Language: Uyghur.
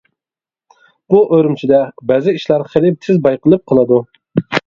بۇ ئۈرۈمچىدە بەزى ئىشلار خېلى تېز بايقىلىپ قالىدۇ.